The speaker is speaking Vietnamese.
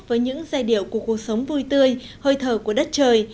với những giai điệu của cuộc sống vui tươi hơi thở của đất trời